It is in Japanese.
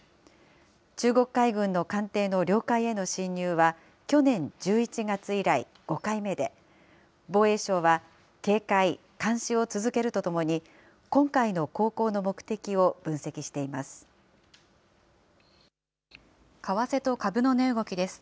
中国海軍の艦艇の領海への侵入は去年１１月以来、５回目で、防衛省は警戒・監視を続けるとともに、今回の航行の目的を分析しています。